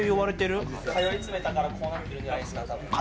通いつめたから、こう呼ばれてるんじゃないですか？